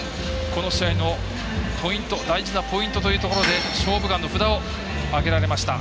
この試合のポイント大事なポイントというところで「勝負眼」の札を挙げられました。